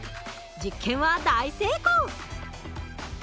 実験は大成功！